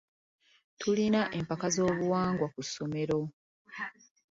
Tulina empaka z'obuwangwa ku ssomero.